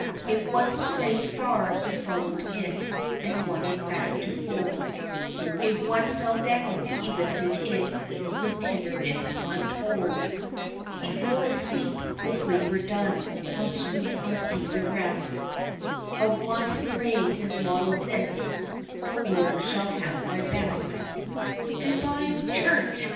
If one strayed far he followed it, and won it back to fold, If one fell down he lifted it with tenderness untold; He fell asleep his labor done how sweet must be the rest Of one who made his motto this, The Lord shall have my best. Good bye, old church!